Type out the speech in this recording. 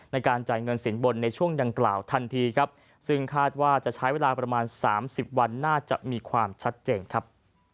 ในการจ่ายเงินสินบนในช่วงดังกล่าวทันทีครับซึ่งคาดว่าจะใช้เวลาประมาณสามสิบวันน่าจะมีความชัดเจนครับ